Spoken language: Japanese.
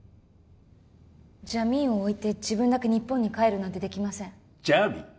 ジャミーンを置いて自分だけ日本に帰るなんてできませんジャーミン？